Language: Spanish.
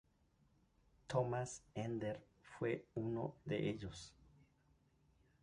Thomas Ender fue uno de ellos.